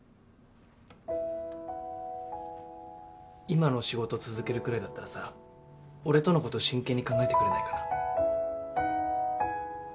今の仕事続けるくらいだったらさ俺とのこと真剣に考えてくれないかな。